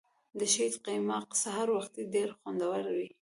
د شیدو قیماق سهار وختي ډیر خوندور وي.